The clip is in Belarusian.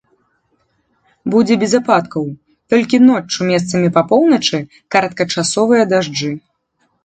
Будзе без ападкаў, толькі ноччу месцамі па поўначы кароткачасовыя дажджы.